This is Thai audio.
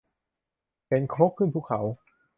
เข็นครกขึ้นภูเขา